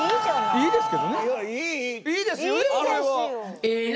いいですよ！